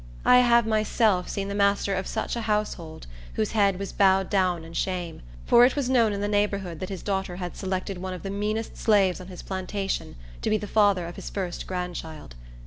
I have myself seen the master of such a household whose head was bowed down in shame; for it was known in the neighborhood that his daughter had selected one of the meanest slaves on his plantation to be the father of his first grandchild.